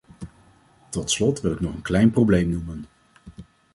Tot slot wil ik nog een klein probleem noemen.